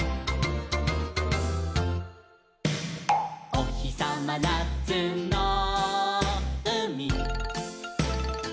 「おひさまなつのうみ」